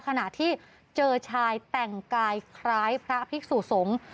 ขณะที่เจอชายแต่งกายคล้ายพระภิกษุสงฆ์